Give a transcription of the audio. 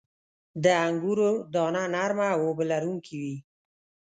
• د انګورو دانه نرمه او اوبه لرونکې وي.